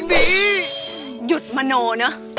ห่วงอย่างนี้